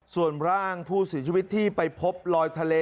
ส่วนร่างผู้เสียชีวิตที่ไปพบลอยทะเล